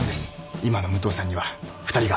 今の武藤さんには２人が。